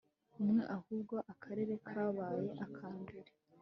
umwe ahubwo akarere kabaye akambere